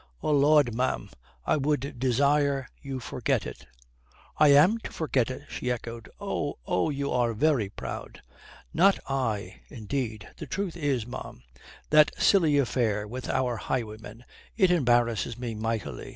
"Oh Lud, ma'am, I would desire you forget it." "I am to forget it!" she echoed. "Oh ... Oh, you are very proud." "Not I, indeed. The truth is, ma'am, that silly affair with our highwayman, it embarrasses me mightily.